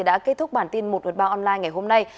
đã kết thúc bản tin một trăm một mươi ba online ngày hôm nay